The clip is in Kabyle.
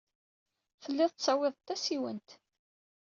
Telliḍ tettawyeḍ-d tasiwant.